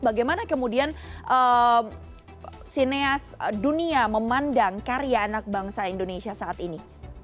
bagaimana kemudian sineas dunia memandang karya anak bangsa indonesia saat ini